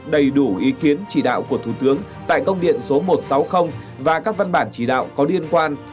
đầy đủ ý kiến chỉ đạo của thủ tướng tại công điện số một trăm sáu mươi và các văn bản chỉ đạo có liên quan